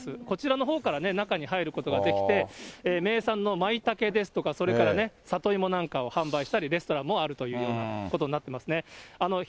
こちらのほうから中に入ることができて、名産のまいたけですとか、それからね、里芋なんかを販売したり、レストランもあるというようなことになってますね。